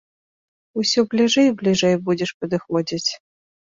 Усё бліжэй і бліжэй будзеш падыходзіць.